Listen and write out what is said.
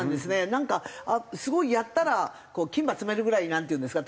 なんかすごいやったら金歯詰めるぐらいなんていうんですか